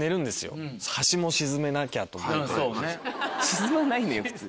沈まないのよ普通。